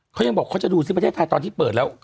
เขายังบอกเขาจะดูซิประเทศไทยตอนที่เปิดแล้ว